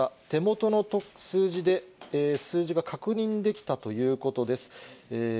手元の数字が確認できたということです。